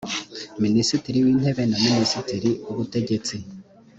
minisitiri w intebe na minisitiri w ubutegetsi